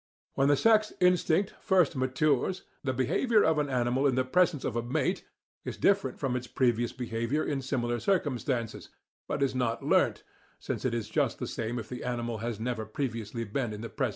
When the sex instinct first matures, the behaviour of an animal in the presence of a mate is different from its previous behaviour in similar circumstances, but is not learnt, since it is just the same if the animal has never previously been in the presence of a mate.